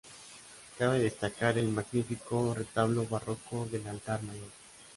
Cabe destacar el magnífico retablo barroco del altar mayor.